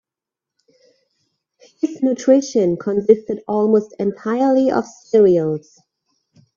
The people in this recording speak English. His nutrition consisted almost entirely of cereals.